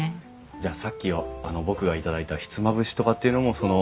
じゃあさっき僕が頂いたひつまぶしとかっていうのもその。